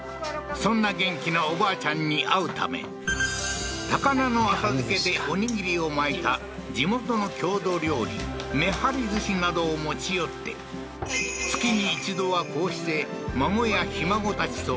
そんな元気なおばあちゃんに会うため高菜の浅漬けでおにぎりを巻いた地元の郷土料理めはり寿司などを持ち寄ってええー